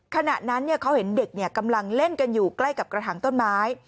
ขณะนั้นเขาเห็นเด็กกำลังเล่นกันอยู่ใกล้กับกระถางต้นไม้